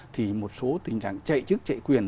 thì một số tình trạng chạy chức chạy quyền